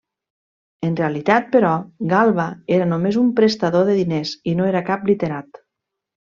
En realitat, però, Galba era només un prestador de diners i no era cap literat.